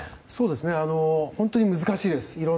本当に難しいです。